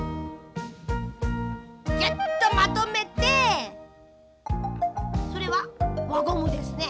ギュッとまとめてそれはわゴムですね。